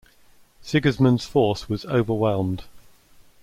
Sigismund's force was overwhelmed.